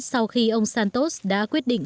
sau khi ông santos đã quyết định